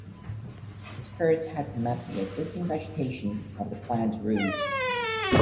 This first had to map the existing vegetation of the planned routes.